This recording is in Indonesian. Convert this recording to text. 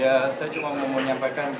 ya saya cuma mau nyampaikan